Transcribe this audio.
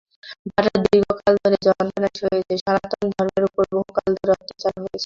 ভারত দীর্ঘকাল ধরে যন্ত্রণা সয়েছে, সনাতন ধর্মের ওপর বহুকাল ধরে অত্যাচার হয়েছে।